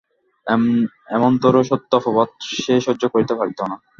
এমনতরো সত্য অপবাদও সে সহ্য করিতে পারিত না।